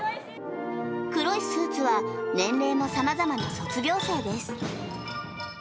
黒いスーツは年齢のさまざまな卒業生です。